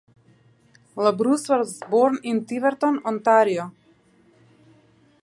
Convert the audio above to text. LaBruce was born in Tiverton, Ontario.